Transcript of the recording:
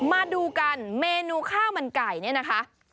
มาดูกันเมนูข้าวมันไก่เนี่ยนะคะ